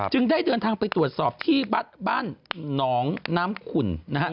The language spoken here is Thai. ได้เดินทางไปตรวจสอบที่บ้านหนองน้ำขุ่นนะครับ